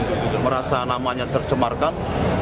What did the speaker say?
jadi merasa namanya tercemarkan